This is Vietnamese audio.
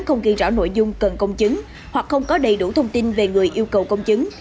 không ghi rõ nội dung cần công chứng hoặc không có đầy đủ thông tin về người yêu cầu công chứng